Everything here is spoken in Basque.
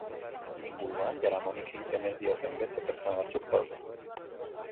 Inguruan, jaramonik egiten ez dioten beste pertsona batzuk daude.